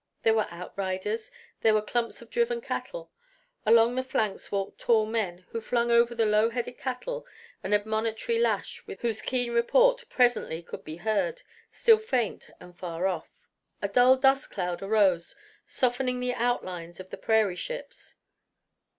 There were outriders; there were clumps of driven cattle. Along the flanks walked tall men, who flung over the low headed cattle an admonitory lash whose keen report presently could be heard, still faint and far off. A dull dust cloud arose, softening the outlines of the prairie ships.